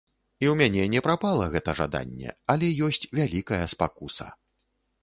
І ў мяне не прапала гэта жаданне, але ёсць вялікая спакуса.